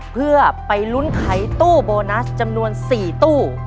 เพื่อไปลุ้นไขตู้โบนัสจำนวน๔ตู้